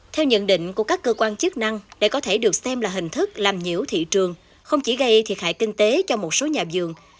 theo nhận định của các cơ quan chức năng đây có thể được xem là hình thức làm nhiễu thị trường không chỉ gây thiệt hại kinh tế cho một số nhà vườn